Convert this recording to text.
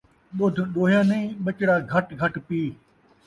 ݙدھ ݙوہیا نئیں ، ٻچڑا گھٹ گھٹ پی